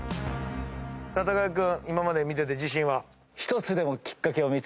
さあ木君今まで見てて自信は？